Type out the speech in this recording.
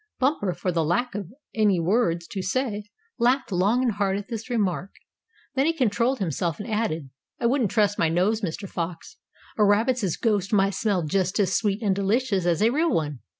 Bumper, for the lack of any words to say, laughed long and hard at this remark. Then he controlled himself, and added: "I wouldn't trust my nose, Mr. Fox. A rabbit's ghost might smell just as sweet and delicious as a real one."